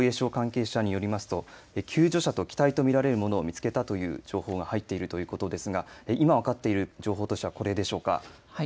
先ほど入った情報で、複数の防衛省関係者によりますと救助者と機体と見られるものを見つけたという情報が入っているということですが今、分かっている情報としてはこれでしょうか。